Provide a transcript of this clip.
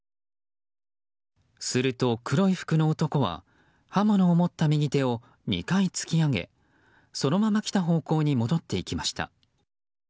すると、黒い服の男は刃物を持った右手を２回突き上げ、そのまま来た方向に戻っていきました。